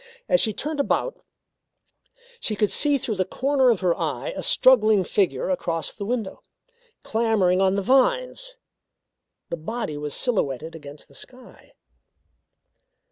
As she turned about, she could see through the corner of her eye a struggling figure across the window, clambering on the vines. The body was silhouetted against the sky.